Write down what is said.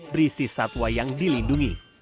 berisi satwa yang dilindungi